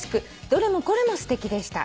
どれもこれもすてきでした。